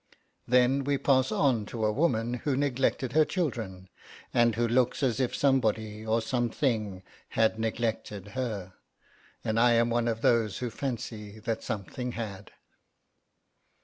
Then we pass on to a woman who neglected her children, and who looks as if somebody or something had neglected her. And I am one of those who fancy that something had.